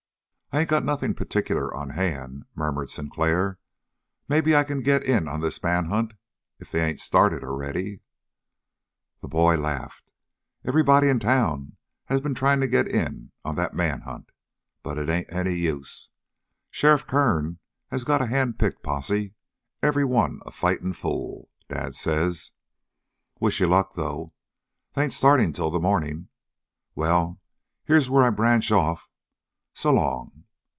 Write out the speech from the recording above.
"I ain't got nothing particular on hand," murmured Sinclair. "Maybe I can get in on this manhunt if they ain't started already." The boy laughed. "Everybody in town has been trying to get in on that manhunt, but it ain't any use. Sheriff Kern has got a handpicked posse every one a fightin' fool, Dad says. Wish you luck, though. They ain't starting till the morning. Well, here's where I branch off. S'long!